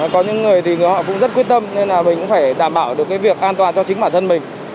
có những người họ cũng rất quyết tâm nên mình cũng phải đảm bảo được việc an toàn cho chính bản thân mình